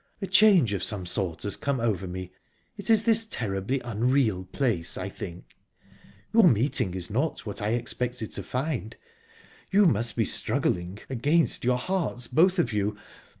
"A change of some sort has come over me. It is this terribly unreal place, I think. Your meeting is not what I expected to find. You must be struggling against your hearts, both of you...